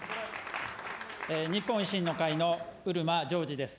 日本維新の会の漆間譲司です。